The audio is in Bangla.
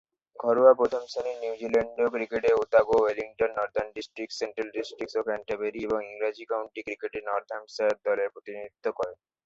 ঘরোয়া প্রথম-শ্রেণীর নিউজিল্যান্ডীয় ক্রিকেটে Otago, Wellington, Northern Districts, Central Districts ও ক্যান্টারবারি এবং ইংরেজ কাউন্টি ক্রিকেটে নর্দাম্পটনশায়ার দলের প্রতিনিধিত্ব করেন।